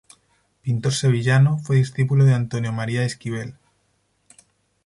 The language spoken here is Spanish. Pintor sevillano, fue discípulo de Antonio María Esquivel.